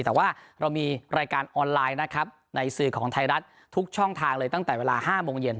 แต่ว่าเรามีรายการออนไลน์นะครับในสื่อของไทยรัฐทุกช่องทางเลยตั้งแต่เวลา๕โมงเย็น